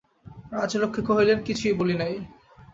রাজলক্ষ্মী কহিলেন, কিছুই বলি নাই।